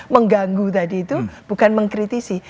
mengganggu tadi itu bukan mengkritisi